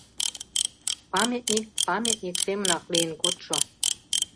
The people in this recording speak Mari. — Памятник памятник семынак лийын кодшо.